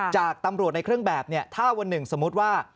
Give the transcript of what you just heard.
จากตำรวจในเครื่องแบบเนี่ยถ้าวันหนึ่งสมมุติว่า